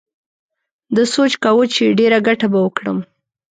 ده سوچ کاوه چې ډېره گټه به وکړم.